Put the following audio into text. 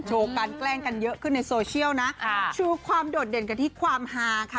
การแกล้งกันเยอะขึ้นในโซเชียลนะโชว์ความโดดเด่นกันที่ความฮาค่ะ